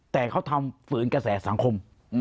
แต่เค้าทำฝืนเกษตรสังคม